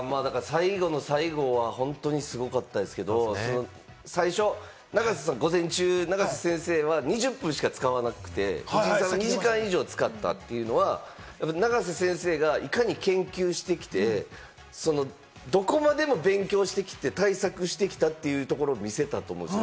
最後は本当にすごかったですけれど、午前中、永瀬先生は２０分しか使わなくて、藤井さんは２時間以上使ったというのは、永瀬先生がいかに研究してきて、どこまでも勉強して対策してきたというところを見せたと思うんです。